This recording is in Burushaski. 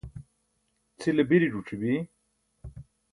cʰile biri ẓuc̣ibi